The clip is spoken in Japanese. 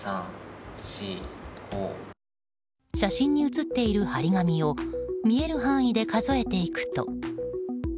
写真に写っている貼り紙を見える範囲で数えていくと。